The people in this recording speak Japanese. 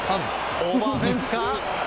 オーバーフェンスか。